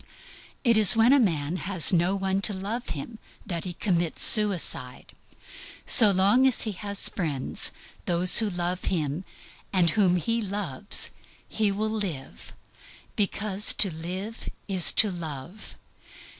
It is when a man has no one to love him that he commits suicide. So long as he has friends, those who love him and whom he loves, he will live, because to live is to love.